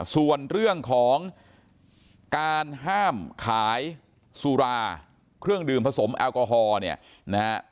ส่วนเรื่องของการห้ามขายสุราเครื่องดื่มผสมแอลกอฮอล์เนี่ยนะฮะ